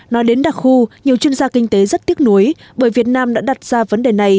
nói đến đặc khu nhiều chuyên gia kinh tế rất tiếc nuối bởi việt nam đã đặt ra vấn đề này